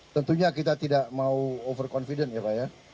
tentunya kita tidak mau over confident ya pak ya